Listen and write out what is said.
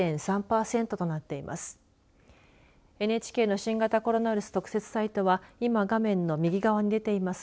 ＮＨＫの新型コロナウイルス特設サイトは今画面の右側に出ています